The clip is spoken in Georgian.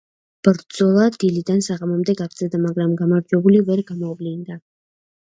ბრძოლა დილიდან საღამომდე გაგრძელდა, მაგრამ გამარჯვებული ვერ გამოვლინდა.